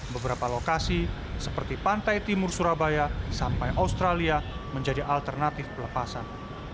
beberapa lokasi seperti pantai timur surabaya sampai australia menjadi alternatif pelepasan